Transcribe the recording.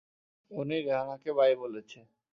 উনি রেহানকে বাই বলেছে।